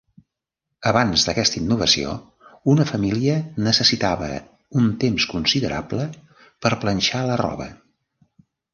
Abans d'aquesta innovació, una família necessitava un temps considerable per planxar la roba.